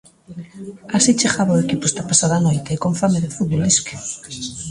Así chegaba o equipo esta pasada noite, e con fame de fútbol, disque.